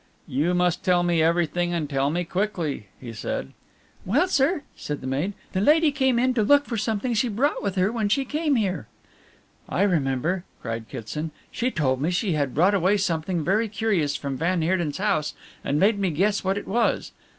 "You must tell me everything, and tell me quickly," he said. "Well, sir," said the maid, "the lady came in to look for something she brought with her when she came here." "I remember!" cried Kitson, "she told me she had brought away something very curious from van Heerden's house and made me guess what it was.